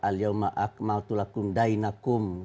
al yauma'ak ma'atulakum dainakum